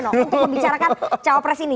untuk membicarakan cawapres ini